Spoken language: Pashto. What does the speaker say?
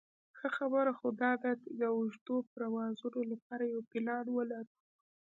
ښه خبره خو داده د اوږدو پروازونو لپاره یو پلان ولرو.